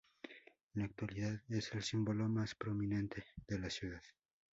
En la actualidad es el símbolo más prominente de la ciudad.